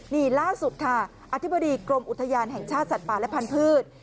นี่ล่าสุดค่ะอธิบดีกรมอุทยานแห่งชาติสัตว์ป่าและพันธุ์